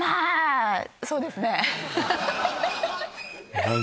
そうですね